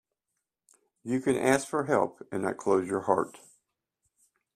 You can ask for help and not close your heart.